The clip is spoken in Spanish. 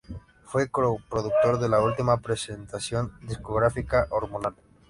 Fue co-productor de la última presentación discográfica Hormonal.